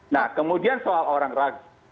nah kemudian soal orang ragu